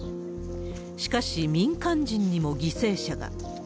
しかし、民間人にも犠牲者が。